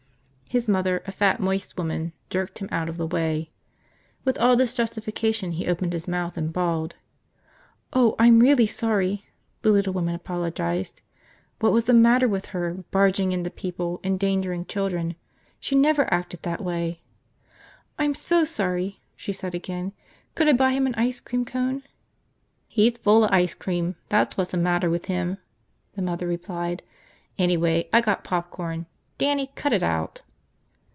His mother, a fat, moist woman, jerked him out of the way. With all this justification he opened his mouth and bawled. "Oh, I'm really sorry!" the little woman apologized. What was the matter with her, barging into people, endangering children? She never acted that way! "I'm so sorry," she said again. "Could I buy him an ice cream cone?" "He's fulla ice cream, that's whatsa matter with him," the mother replied. "Anyway, I got popcorn. Dannie, cut it out!"